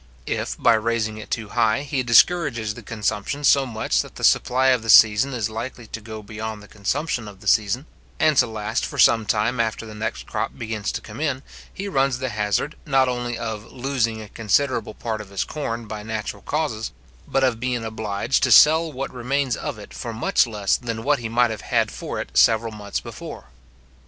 If, by raising it too high, he discourages the consumption so much that the supply of the season is likely to go beyond the consumption of the season, and to last for some time after the next crop begins to come in, he runs the hazard, not only of losing a considerable part of his corn by natural causes, but of being obliged to sell what remains of it for much less than what he might have had for it several months before.